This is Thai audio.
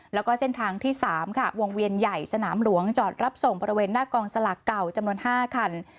แล้วก็เส้นทางที่๓ค่ะวงเวียนใหญ่สนามหลวงจอดรับส่งบริเวณหน้ากองสลากเก่าจำนวน๕คัน